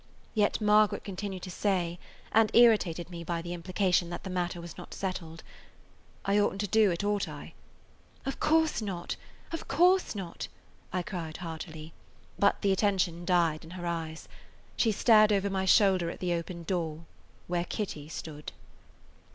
Yet Margaret continued to say, and irritated [Facing Page] "I oughtn't to do it, ought I?" [Page 177] me by the implication that the matter was not settled: "I ought n't to do it, ought I?" "Of course not! Of course not!" I cried heartily, but the attention died in her eyes. She stared over my shoulder at the open door, where Kitty stood.